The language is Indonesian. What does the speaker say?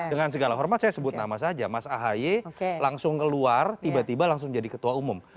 dengan segala hormat saya sebut nama saja mas ahaye langsung keluar tiba tiba langsung jadi ketua umum